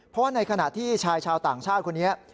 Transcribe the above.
เพราะว่าในขณะที่ชายชาวต่างชาติคนนี้